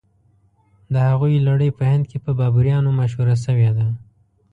د هغوی لړۍ په هند کې په بابریانو مشهوره شوې ده.